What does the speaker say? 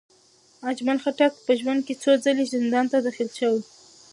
اجمل خټک په ژوند کې څو ځلې زندان ته داخل شوی.